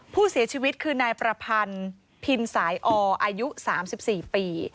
ผู้เสียชีวิตคือนายประพันธ์พินสายออายุ๓๔ปี